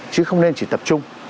chứ không nên chỉ tập trung